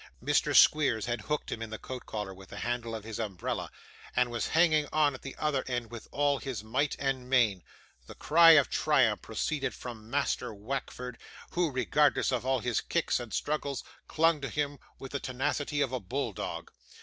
Mr. Squeers had hooked him in the coat collar with the handle of his umbrella, and was hanging on at the other end with all his might and main. The cry of triumph proceeded from Master Wackford, who, regardless of all his kicks and struggles, clung to him with the tenacity of a bull dog!